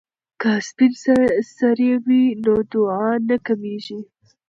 که سپین سرې وي نو دعا نه کمیږي.